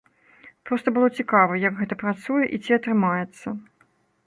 Проста было цікава, як гэта працуе і ці атрымаецца.